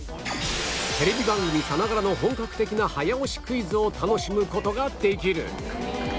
テレビ番組さながらの本格的な早押しクイズを楽しむ事ができる